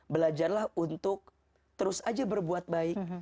belajarlah untuk terus aja berbuat baik